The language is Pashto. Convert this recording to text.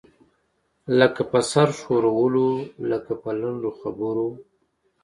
لکه په سر ښورولو، لکه په لنډو خبرو.